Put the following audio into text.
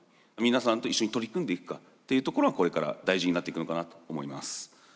皆さんと一緒に取り組んでいくかっていうところがこれから大事になっていくのかなと思います。